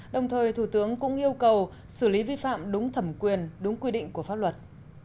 đồng thời thủ tướng cũng yêu cầu xử lý vi phạm đúng thẩm quyền đúng quy định của pháp luật